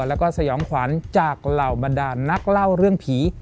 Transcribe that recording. แล้วก็สยองขวัญจากเหล่าบรรดานนักเล่าเรื่องผี